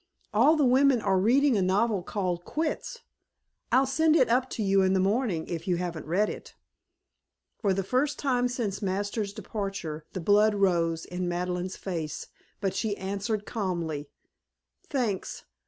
All the women are reading a novel called 'Quits.' I'll send it up to you in the morning if you haven't read it." For the first time since Masters' departure the blood rose in Madeleine's face, but she answered calmly: "Thanks.